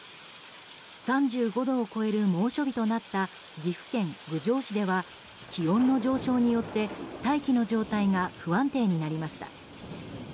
３５度を超える猛暑日となった岐阜県郡上市では気温の上昇によって大気の状態が不安定になりました。